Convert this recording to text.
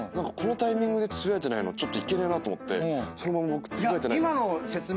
このタイミングでつぶやいてないのちょっといけねえなと思ってそのまま僕つぶやいてないっす。